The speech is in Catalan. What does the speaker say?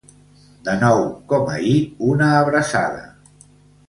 De nou, com ahir, una abraçada.